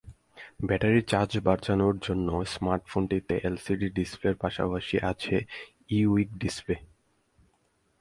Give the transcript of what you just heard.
ব্যাটারির চার্জ বাঁচানোর জন্য স্মার্টফোনটিতে এলসিডি ডিসপ্লের পাশাপাশি আছে ই-ইংক ডিসপ্লে।